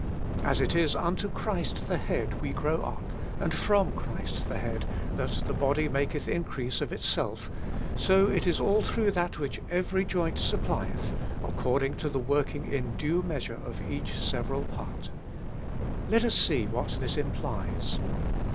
As it is unto Christ the Head we grow up, and from Christ the Head that the body maketh in crease of itself, so it is all through that which every joint supplieth, according to the working in due measure of each several part. Let us see what this implies.